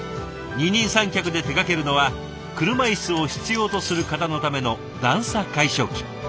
二人三脚で手がけるのは車椅子を必要とする方のための段差解消機。